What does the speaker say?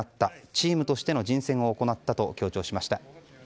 チームとしての人選を行ったと強調しました。